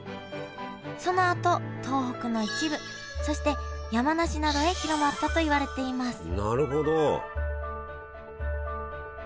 そのあと東北の一部そして山梨などへ広まったといわれていますなるほど！